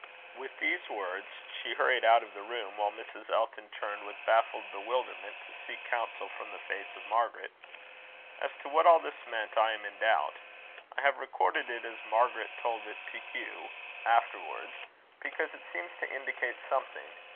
With these words, she hurried out of the room, while Mrs. Elton turned with baffled bewilderment to seek counsel from the face of Margaret. As to what all this meant, I am in doubt. I have recorded it as Margaret told it to Hugh afterwards because it seems to indicate something.